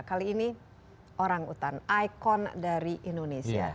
kali ini orangutan ikon dari indonesia